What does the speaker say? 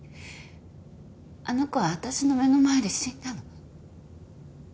あの子は私の目の前で死んだの。